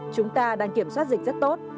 chúng ta đang kiểm soát dịch rất tốt